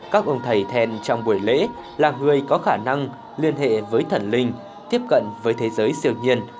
các ông thầy thèn trong buổi lễ là người có khả năng liên hệ với thần linh tiếp cận với thế giới siêu nhiên